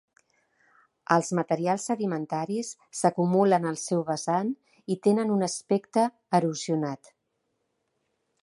Els materials sedimentaris s’acumulen al seu vessant i tenen un aspecte erosionat.